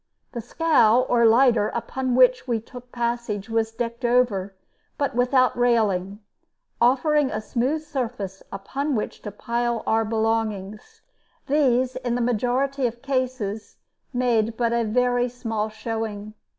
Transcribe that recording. The scow, or lighter, upon which we took passage was decked over, but without railing, offering a smooth surface upon which to pile our belongings. These, in the majority of cases, made but a very small showing.